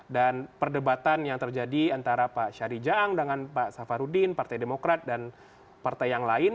perdebatan yang terjadi antara pak syari jaang dengan pak safarudin partai demokrat dan partai yang lain